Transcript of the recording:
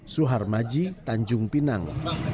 suhar maji tanjung pinang